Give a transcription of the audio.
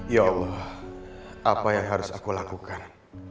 ya allah apa yang harus aku lakukan